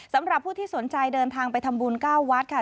สำหรับผู้ที่สนใจเดินทางไปทำบุญ๙วัดค่ะ